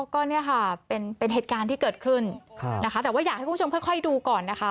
ก็เนี่ยค่ะเป็นเหตุการณ์ที่เกิดขึ้นนะคะแต่ว่าอยากให้คุณผู้ชมค่อยดูก่อนนะคะ